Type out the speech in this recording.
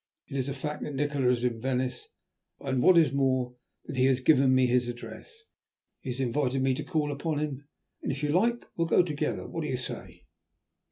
"It is a fact that Nikola is in Venice, and, what is more, that he has given me his address. He has invited me to call upon him, and if you like we will go together. What do you say?"